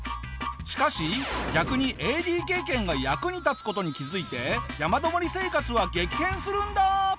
しかし逆にＡＤ経験が役に立つ事に気づいて山登り生活は激変するんだ！